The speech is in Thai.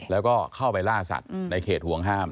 แล้วก็เข้าไปล่าสัตว์ในเขตห่วงห้าม